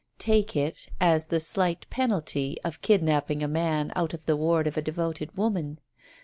Take it, as the slight penalty of kid napping a man out of the ward of a devoted woman.